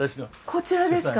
こちらですか。